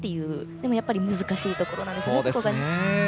でもやっぱり難しいところですね。